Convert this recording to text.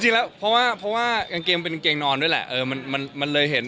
จริงแล้วเพราะว่ากางเกงมันเป็นกางเกงนอนด้วยแหละ